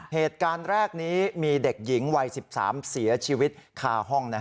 เหตุการณ์แรกนี้มีเด็กหญิงวัย๑๓เสียชีวิตคาห้อง